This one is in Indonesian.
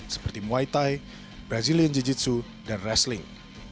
seperti muay thai brazilian jiu jitsu dan rasling